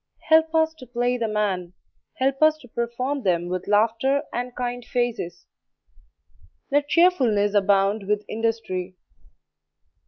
Help us to play the man, help us to perform them with laughter and kind faces; let cheerfulness abound with industry.